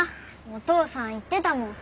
お父さん言ってたもん。